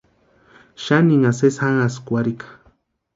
Xaninha sesi janhaskwarhika.